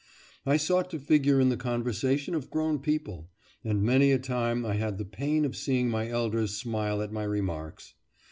I sought to figure in the conversation of grown people, and many a time I had the pain of seeing my elders smile at my remarks.